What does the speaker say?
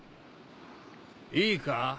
いいか？